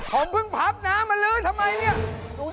ผมเพิ่งพับน้ำมันลื่นทำไมเนี่ย